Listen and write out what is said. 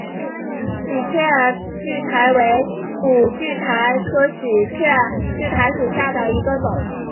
喜鹊苣苔为苦苣苔科喜鹊苣苔属下的一个种。